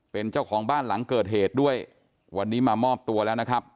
เป็นเจ้าของบ้านหลังเกิดเหตุด้วยวันนี้มามอบตัวแล้วนะครับ